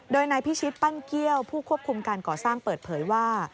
โดยนายพิชิตปั้นเกี้ยวผู้ควบคุมการก่อสร้างเปิดเผยว่า